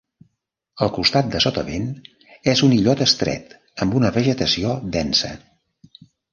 El costat de sotavent és un illot estret amb una vegetació densa.